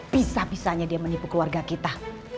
bisa bisanya dia menipu keluarga kita